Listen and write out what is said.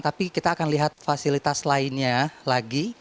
tapi kita akan lihat fasilitas lainnya lagi